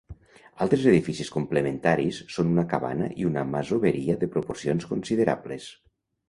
Altres edificis complementaris són una cabana i una masoveria de proporcions considerables.